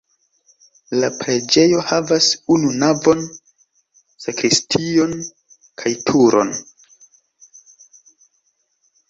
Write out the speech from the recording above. La preĝejo havas unu navon, sakristion kaj turon.